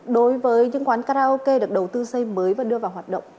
đối với những quán karaoke được đầu tư xây mới và đưa vào hoạt động